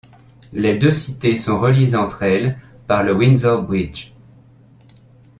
Les deux cités sont reliées entre elles par le Windsor Bridge.